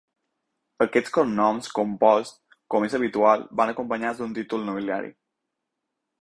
Aquests cognoms composts, com és habitual, van acompanyats d’un títol nobiliari.